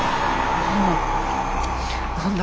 何だ？